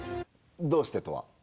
「どうして？」とは？